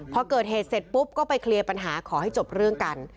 พอเกิดเหตุเสร็จปุ๊บก็ไปเคลียร์ปัญหาขอให้จบเรื่องกัน